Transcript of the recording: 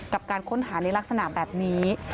การค้นหาในลักษณะแบบนี้